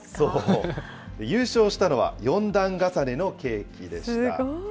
優勝したのは４段重ねのケーキでした。